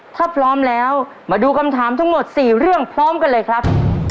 ถ้าพร้อมแล้วมาดูคำถามทั้งหมด๔เรื่องพร้อมกันเลยครับ